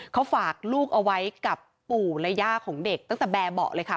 เขาฝากลูกเอาไว้กับปู่และย่าของเด็กตั้งแต่แบบเบาะเลยค่ะ